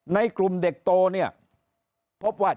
ในกลุ่มเด็กโตเนี่ยพบว่า